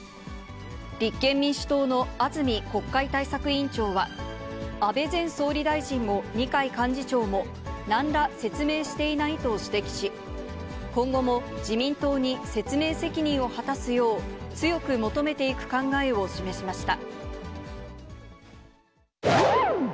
立憲民主党の安住国会対策委員長は、安倍前総理大臣も二階幹事長も、なんら説明していないと指摘し、今後も自民党に説明責任を果たすよう、強く求めていく考えを示しました。